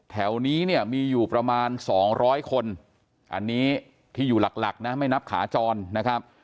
แถวนี้เนี่ยมีอยู่ประมาณ๒๐๐คนอันนี้ที่อยู่หลักนะไม่นับขาจรนะครับ